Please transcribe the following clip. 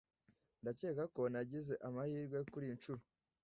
Ndakeka ko nagize amahirwe kuriyi nshuro